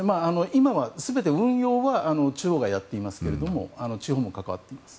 今は全て運用は地方がやっていますけど地方も関わっています。